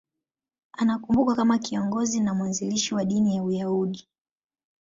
Anakumbukwa kama kiongozi na mwanzilishi wa dini ya Uyahudi.